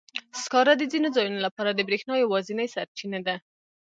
سکاره د ځینو ځایونو لپاره د برېښنا یوازینی سرچینه ده.